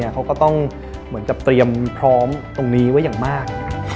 เขาก็ต้องเหมือนกับเตรียมพร้อมตรงนี้ไว้อย่างมาก